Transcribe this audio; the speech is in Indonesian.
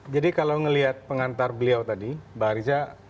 jadi kalau melihat pengantar beliau tadi mbak arissa